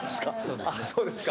あっ、そうですか。